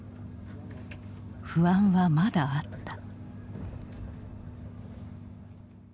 不安はまだあった。